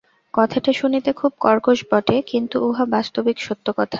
কথাটা শুনিতে খুব কর্কশ বটে, কিন্তু উহা বাস্তবিক সত্য কথা।